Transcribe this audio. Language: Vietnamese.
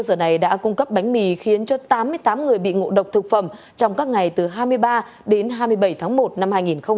cơ sở này đã cung cấp bánh mì khiến cho tám mươi tám người bị ngộ độc thực phẩm trong các ngày từ hai mươi ba đến hai mươi bảy tháng một năm hai nghìn hai mươi